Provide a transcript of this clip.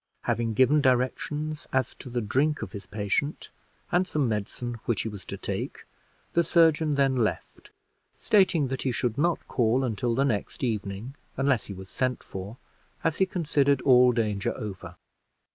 Having given directions as to the drink of his patient, and some medicine which he was to take, the surgeon then left, stating that he should not call until the next evening, unless he was sent for, as he considered all danger over.